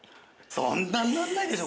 そんなにならないでしょ？